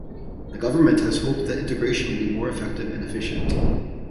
The government has hoped that integration will be more effective and efficient.